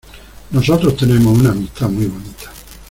nosotros tenemos una amistad muy bonita